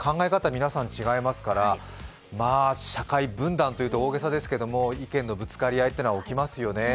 皆さん違いますから社会分断と言うと大げさですけど意見のぶつかり合いというのは起きますよね。